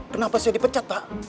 kenapa saya dipecat pak